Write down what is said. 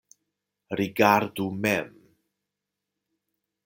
Rigardu mem.